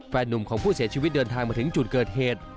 นุ่มของผู้เสียชีวิตเดินทางมาถึงจุดเกิดเหตุ